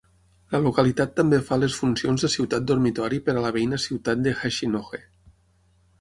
La localitat també fa les funcions de ciutat dormitori per a la veïna ciutat de Hachinohe.